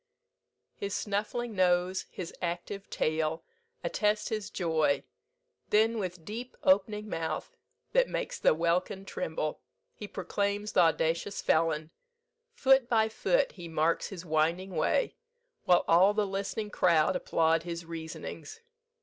"His snuffling nose, his active tail, Attest his joy; then with deep op'ning mouth, That makes the welkin tremble, he proclaims Th' audacious felon; foot by foot he marks His winding way, while all the listening crowd Applaud his reasonings.